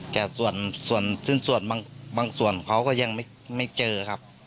แต่ส่วนสิ้นส่วนบางส่วนเขาก็ยังไม่เจอครับ